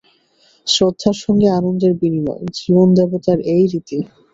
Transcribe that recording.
শ্রদ্ধার সঙ্গে আনন্দের বিনিময়, জীবনদেবতার এই রীতি।